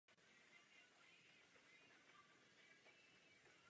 Evropský parlament je legislativní institucí.